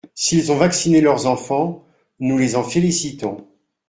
S’ils ont vacciné leurs enfants, nous les en félicitons.